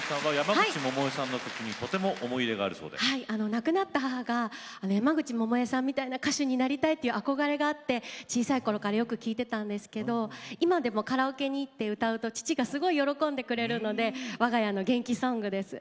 亡くなった母が山口百恵さんみたいな歌手になりたいという憧れがあって小さい頃からよく聴いてたんですけど今でもカラオケに行って歌うと父がすごい喜んでくれるので我が家の元気ソングです。